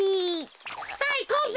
さあいこうぜ！